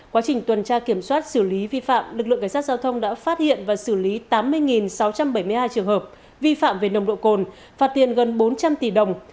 quá trình tuần tra kiểm soát xử lý vi phạm lực lượng cảnh sát giao thông đã phát hiện và xử lý tám mươi sáu trăm bảy mươi hai trường hợp vi phạm về nồng độ cồn phạt tiền gần bốn trăm linh tỷ đồng